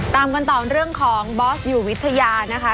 ตามกันต่อเรื่องของบอสอยู่วิทยานะคะ